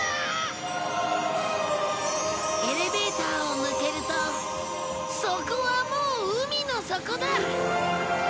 エレベーターを抜けるとそこはもう海の底だ。